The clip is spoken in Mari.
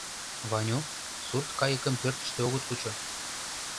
— Ваню, сурткайыкым пӧртыштӧ огыт кучо.